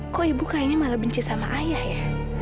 kok ibu kayaknya malah benci sama ayah ya